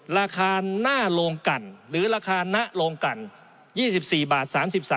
ราคาน่าลงกันหรือราคานะลงกัน๒๔๓๓บาท